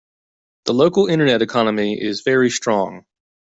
The local internet economy is very strong.